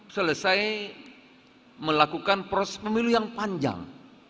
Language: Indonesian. selesai melakukan proses pemilu yang panjang